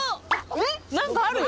えっ何かあるよ！